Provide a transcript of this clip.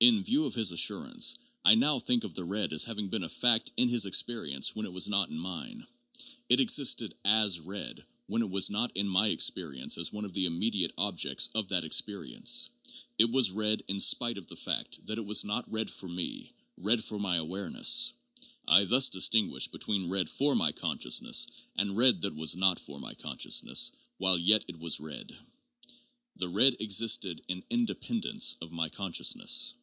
In view of his assurance, I now think of the red as having been a fact in his experience when it was not in mine. It existed as red when it was not in my experience as one of the immediate objects of that experi ence. It was red in spite of the fact that it was not red for me, red for my awareness. I thus distinguish between red for my conscious ness and red that was not for my consciousness while yet it was red. The red existed in 'independence' of my consciousness.